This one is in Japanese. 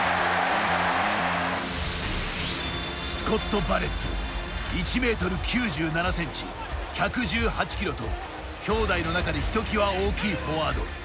スコット・バレット１ｍ９７ｃｍ、１１８ｋｇと兄弟の中でひときわ大きいフォワード。